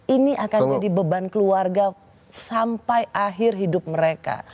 ini akan jadi beban keluarga sampai akhir hidup mereka